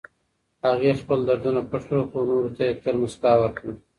هغې خپل دردونه پټ کړل، خو نورو ته يې تل مسکا ورکړه.